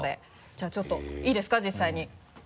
じゃあちょっといいですか？実際に。